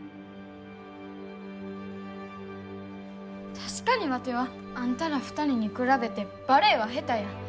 確かにワテはあんたら２人に比べてバレエは下手や。